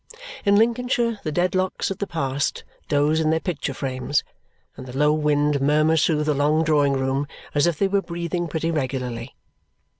In Lincolnshire the Dedlocks of the past doze in their picture frames, and the low wind murmurs through the long drawing room as if they were breathing pretty regularly.